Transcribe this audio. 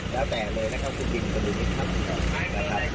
แล้วแตกเลยนะครับสุดยิ่งขนาดนี้ครับ